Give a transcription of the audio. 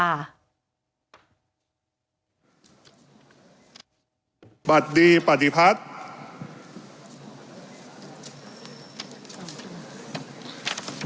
บัดดีปฏิพัฒน์